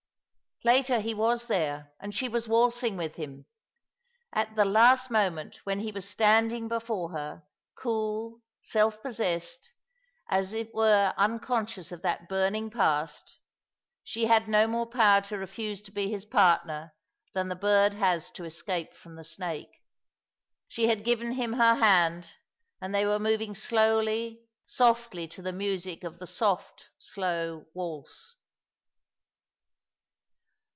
' Later he was there, and she was waltzing with.him. At the last moment when he was standing before her, cool, self pos sessed, as it were unconscious of that burning past, she had no more power to refuse to be his partner than the bird has to escape from the snake. She had given him her hand, and they were moving slowly, softly to the music of the soft, slow waltz.